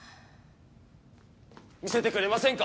見せてくれませんか？